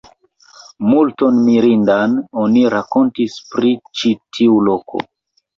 Multon mirindan oni rakontis pri ĉi tiu loko.